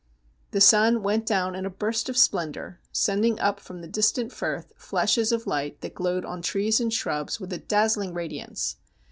The sun went down in a burst of splendour, sending up from the distant Firth flashes of light that glowed on trees and shrubs with a dazzling radiance.